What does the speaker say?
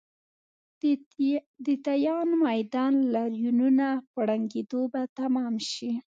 د تیان میدان لاریونونه په ړنګېدو به تمام شي.